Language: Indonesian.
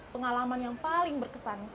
pengalaman yang paling berkesan